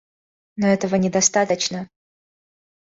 Но этого недостаточно.